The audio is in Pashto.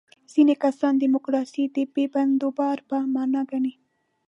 ځینې کسان دیموکراسي د بې بندوبارۍ په معنا ګڼي.